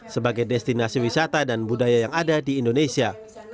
sebagai destinasi wisata dan budaya yang ada di indonesia